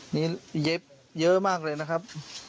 นี่เย็บเยอะมากเลยนะครับ